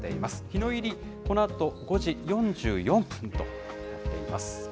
日の入り、このあと５時４４分となっています。